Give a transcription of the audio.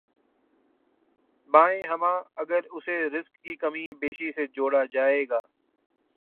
بایں ہمہ، اگر اسے رزق کی کم بیشی سے جوڑا جائے گا۔